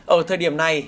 ở thời điểm này